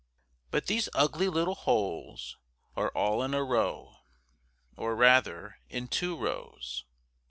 But these ugly little holes are all in a row, or rather in two rows.